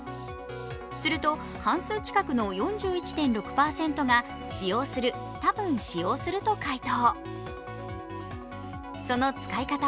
すると、半数近くの４１．６％が「使用する」、「たぶん使用する」と回答。